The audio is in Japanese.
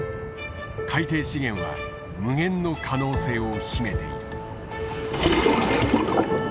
海底資源は無限の可能性を秘めている。